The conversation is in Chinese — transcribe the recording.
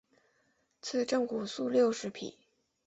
赐郑璩素六十匹。